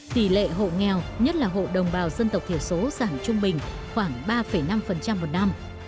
tỷ lệ hộ nghèo nhất là hộ đồng bào dân tộc thiểu số giảm trung bình khoảng ba năm một năm